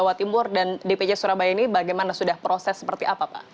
jawa timur dan dpj surabaya ini bagaimana sudah proses seperti apa pak